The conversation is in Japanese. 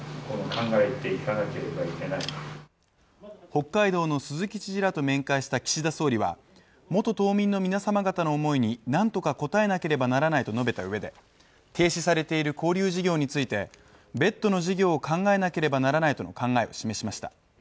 北海道の鈴木知事らと面会した岸田総理は元島民の皆様方の思いに何とか応えなければならないと述べたうえで停止されている交流事業について、別途の事業を考えなければならないとの考えを示しました。